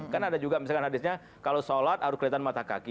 kan ada juga misalkan hadisnya kalau sholat harus kelihatan mata kaki